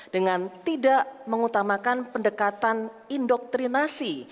dengan tidak mengutamakan pendekatan indoktrinasi